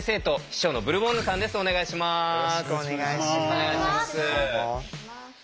よろしくお願いします。